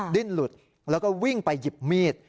ดิ้นหลุดแล้วก็วิ่งไปหยิบมีด